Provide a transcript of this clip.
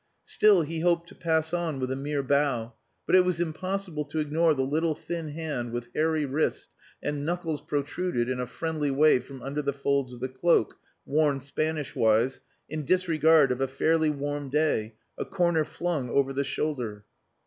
Still, he hoped to pass on with a mere bow, but it was impossible to ignore the little thin hand with hairy wrist and knuckles protruded in a friendly wave from under the folds of the cloak, worn Spanish wise, in disregard of a fairly warm day, a corner flung over the shoulder.